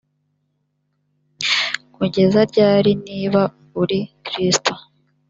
kugeza ryari niba uri kristo